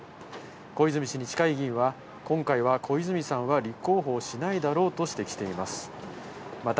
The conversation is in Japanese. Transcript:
小泉氏に近い議員は、今回は小泉さんは立候補をしないだろうと指摘しています。